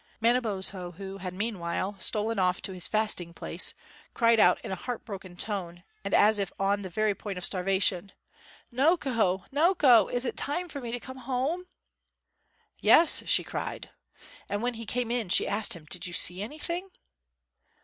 Manabozho who had, meanwhile, stolen off to his fasting place, cried out in a heart broken tone and as if on the very point of starvation, "Noko! Noko! is it time for me to come home?" "Yes," she cried. And when he came in she asked him, "Did you see anything?"